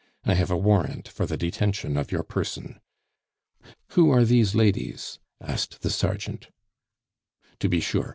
"I have a warrant for the detention of your person." "Who are these ladies?" asked the sergeant. "To be sure.